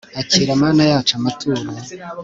akira mana yacu amaturo